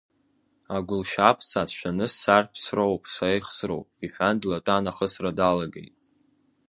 Агәылшьап сацәшәаны сцар ԥсроуп, саихсроуп, — иҳәан, длатәан ахысра далагеит.